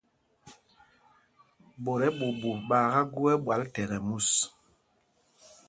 Ɓot ɛ́ɓuuɓu ɓaaká gú ɛ́ɓwǎl thɛkɛ mus.